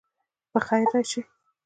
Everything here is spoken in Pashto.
په خیر راسئ.